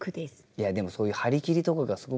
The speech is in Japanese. いやでもそういう張り切りとかがすごく見えるね。